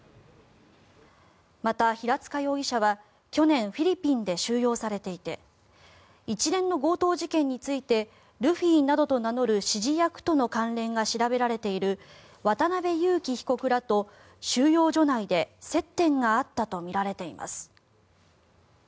また、平塚容疑者は去年フィリピンで収容されていて一連の強盗事件についてルフィなどと名乗る指示役との関連が調べられている渡邉優樹被告らと収容所内で接点があったとみられています。